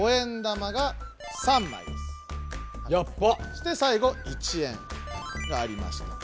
そして最後１円がありました。